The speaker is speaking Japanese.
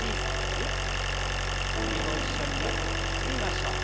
首も一緒によくねじりましょう。